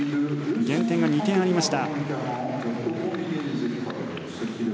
減点が２点ありました。